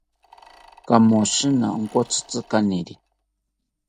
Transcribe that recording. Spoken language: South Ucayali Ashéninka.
Kamoshina onkotzitzi kaniri